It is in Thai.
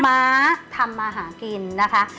ม้าทำมาหากินนะคะ